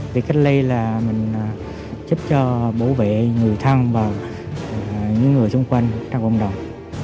việc cách ly là mình giúp cho bảo vệ người thân và những người xung quanh trong cộng đồng